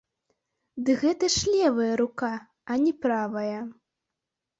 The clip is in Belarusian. Ды гэта ж левая рука, а не правая.